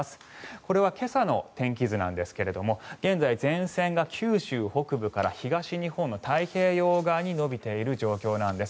これは今朝の天気図なんですが現在、前線が九州から東日本の太平洋側に延びている状況なんです。